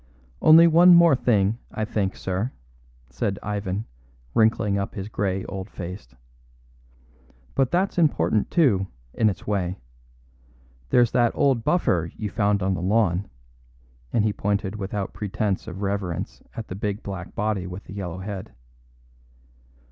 "Only one more thing, I think, sir," said Ivan, wrinkling up his grey old face, "but that's important, too, in its way. There's that old buffer you found on the lawn," and he pointed without pretence of reverence at the big black body with the yellow head.